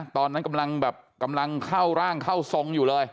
ตอนนั้นกำลังเข้าร่างเข้าทรงอยู่เลย